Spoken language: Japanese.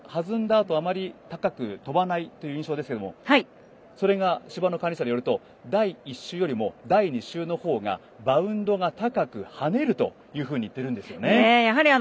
あとあまり高く飛ばないという印象なんですけどもそれが芝の管理者によると第１週よりも第２週のほうがバウンドが高く跳ねるというふうに言ってるんですよね。